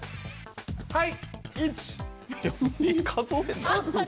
はい！